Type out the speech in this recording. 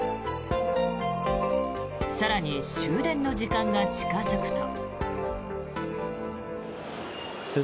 更に、終電の時間が近付くと。